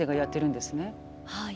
はい。